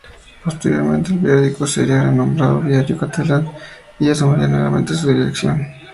Posteriormente el periódico sería renombrado "Diario Catalán" y asumiría nuevamente su dirección.